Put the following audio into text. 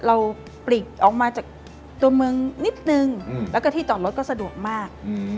ปลิกออกมาจากตัวเมืองนิดนึงแล้วก็ที่จอดรถก็สะดวกมาก